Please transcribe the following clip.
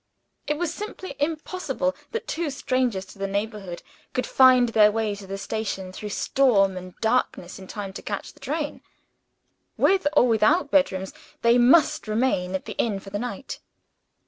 It was simply impossible that two strangers to the neighborhood could find their way to the station, through storm and darkness, in time to catch the train. With or without bedrooms, they must remain at the inn for the night.